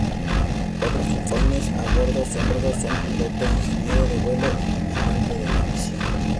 Otras funciones a bordo son piloto, ingeniero de vuelo y comandante de la misión.